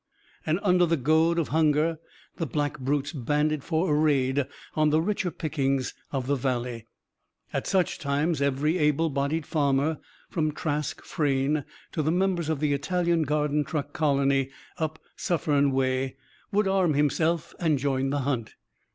And, under the goad of hunger, the black brutes banded for a raid on the richer pickings of the Valley. At such times, every able bodied farmer, from Trask Frayne to the members of the Italian garden truck colony, up Suffern way, would arm himself and join the hunt.